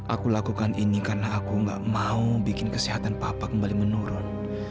aku lakukan ini karena aku gak mau bikin kesehatan papa kembali menurun